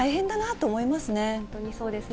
本当にそうですね。